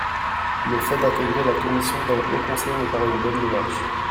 Le fait d’intégrer la commission dans le Haut conseil me paraît une bonne démarche.